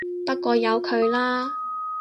不過由佢啦